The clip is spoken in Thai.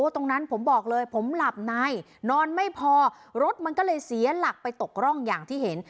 ตรงนั้นผมบอกเลยผมหลับในนอนไม่พอรถมันก็เลยเสียหลักไปตกร่องอย่างที่เห็น